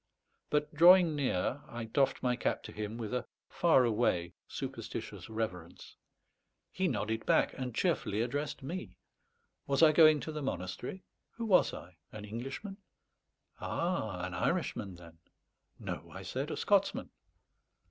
But drawing near, I doffed my cap to him with a far away superstitious reverence. He nodded back, and cheerfully addressed me. Was I going to the monastery? Who was I? An Englishman? Ah, an Irishman, then? "No," I said, "a Scotsman."